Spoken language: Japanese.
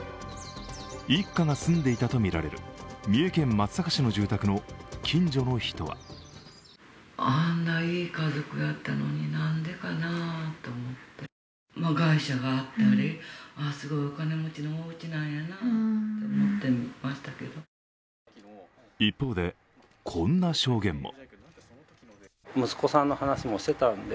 一家が住んでいたとみられる三重県松阪市の住宅の近所の人は一方で、こんな証言も。